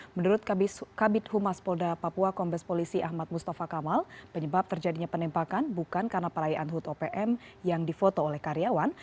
menurut kabit humas polda papua kombes polisi ahmad mustafa kamal penyebab terjadinya penembakan bukan karena perayaan hud opm yang difoto oleh karyawan